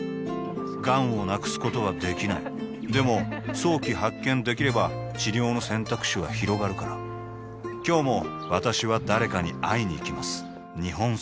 がんを無くすことはできないでも早期発見できれば治療の選択肢はひろがるから今日も私は誰かに会いにいきます